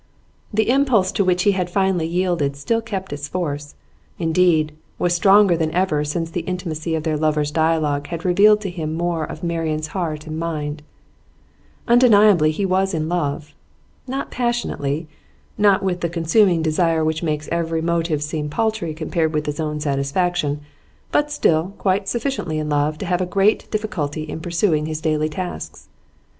The impulse to which he had finally yielded still kept its force; indeed, was stronger than ever since the intimacy of lovers' dialogue had revealed to him more of Marian's heart and mind. Undeniably he was in love. Not passionately, not with the consuming desire which makes every motive seem paltry compared with its own satisfaction; but still quite sufficiently in love to have a great difficulty in pursuing his daily tasks.